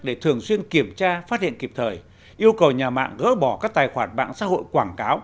để thường xuyên kiểm tra phát hiện kịp thời yêu cầu nhà mạng gỡ bỏ các tài khoản mạng xã hội quảng cáo